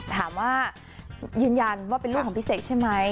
ถามว่ายืนยันว่าเป็นลูกของพี่เสกใช่ไหม